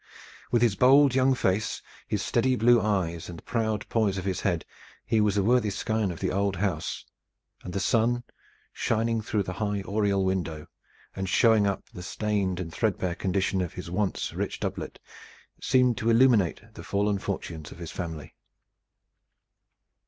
With his bold young face, his steady blue eyes, and the proud poise of his head, he was a worthy scion of the old house, and the sun, shining through the high oriel window, and showing up the stained and threadbare condition of his once rich doublet, seemed to illuminate the fallen fortunes of his family.